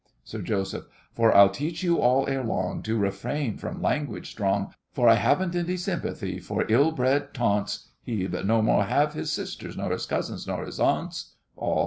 SIR JOSEPH. For I'll teach you all, ere long, To refrain from language strong For I haven't any sympathy for ill bred taunts! HEBE. No more have his sisters, nor his cousins, nor his aunts. ALL.